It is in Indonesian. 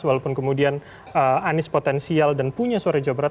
walaupun kemudian anies potensial dan punya suara jawa barat